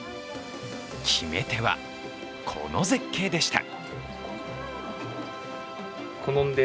決め手は、この絶景でした。